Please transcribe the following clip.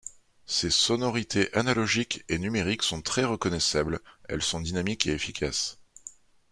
Ses sonorités analogiques et numériques sont très reconnaissables, elles sont dynamiques et efficaces.